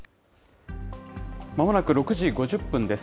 まもなく６時５０分です。